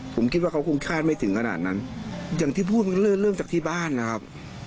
ผมคิดว่าเขาคงคาดไม่ถึงขนาดนั้นอย่างที่พูดมันเริ่มเริ่มจากที่บ้านนะครับ